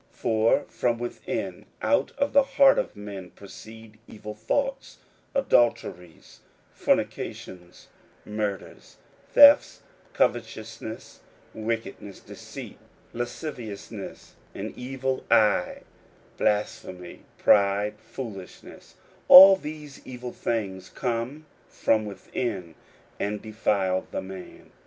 41:007:021 For from within, out of the heart of men, proceed evil thoughts, adulteries, fornications, murders, 41:007:022 Thefts, covetousness, wickedness, deceit, lasciviousness, an evil eye, blasphemy, pride, foolishness: 41:007:023 All these evil things come from within, and defile the man.